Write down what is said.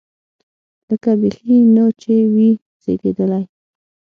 لکه بيخي نه چې وي زېږېدلی.